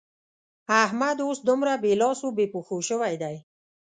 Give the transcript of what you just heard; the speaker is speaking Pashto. احمد اوس دومره بې لاس او بې پښو شوی دی.